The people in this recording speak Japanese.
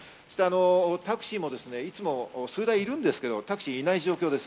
タクシーもいつも数台いるんですけれど、いない状況です。